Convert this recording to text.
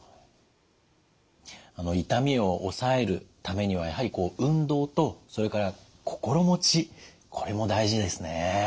痛みを抑えるためにはやはり運動とそれから心持ちこれも大事ですね。